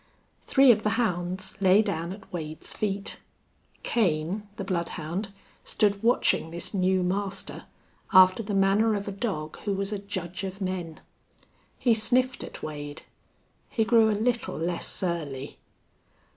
Three of the hounds lay down at Wade's feet. Kane, the bloodhound, stood watching this new master, after the manner of a dog who was a judge of men. He sniffed at Wade. He grew a little less surly.